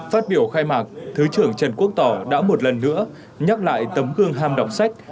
phát biểu khai mạc thứ trưởng trần quốc tỏ đã một lần nữa nhắc lại tấm gương ham đọc sách